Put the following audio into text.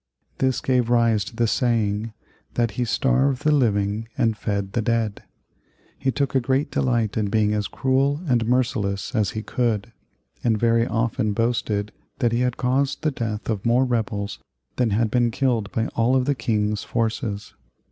This gave rise to the saying that he starved the living and fed the dead. He took a great delight in being as cruel and merciless as he could, and very often boasted that he had caused the death of more rebels than had been killed by all of the King's forces.